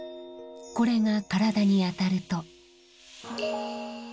これが体に当たると。